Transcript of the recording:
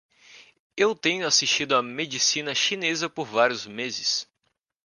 Eu tenho assistido a medicina chinesa por vários meses.